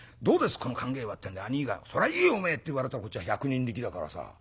この考えは』ってんで兄ぃが『そらいいよおめえ』って言われたらこっちは百人力だからさ。